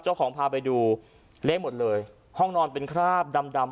เจ้าของพาไปดูเละหมดเลยห้องนอนเป็นคราบดำดำ